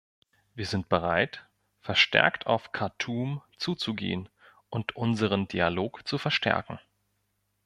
Wir sind bereit, verstärkt auf Khartum zuzugehen und unseren Dialog zu verstärken.